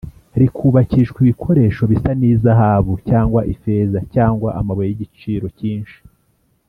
rikubakishwa ibikoresho bisa “n’izahabu cyangwa ifeza, cyangwa amabuye y’igiciro cyinshi,”